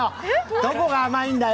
どこが甘いんだよ！